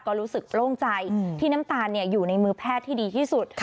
ก็รู้สึกโล่งใจที่น้ำตาลอยู่ในมือแพทย์ที่ดีที่สุด